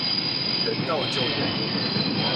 人道救援